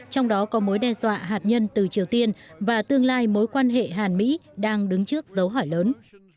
trong đó có mối đe dọa hạt nhân từ triều tiên và tương lai mối quan hệ hàn mỹ đang đứng trước dấu hỏi lớn